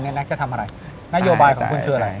แน็กจะทำอะไรนโยบายของคุณคืออะไร